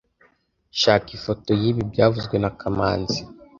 Shaka ifoto yibi byavuzwe na kamanzi